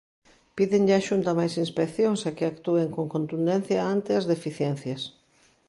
Pídenlle á Xunta máis inspeccións e que actúen con contundencia ante as deficiencias.